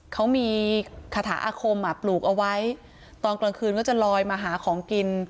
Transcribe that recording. เขามีคาถาอาคมปลูกเอาไว้ตอนกลางคืนก็จะลอยมาหาของกิน